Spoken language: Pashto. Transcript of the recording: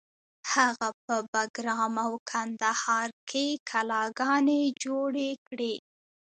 هغه په بګرام او کندهار کې کلاګانې جوړې کړې